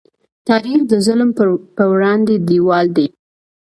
تاریخ د ظلم په وړاندې دیوال دی.